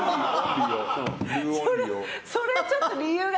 それ、ちょっと理由が。